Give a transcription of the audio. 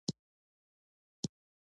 چې دا زما اختياري سوچ نۀ دے